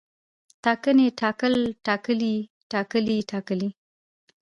ټاکنې، ټاکل، ټاکلی، ټاکلي، ټاکلې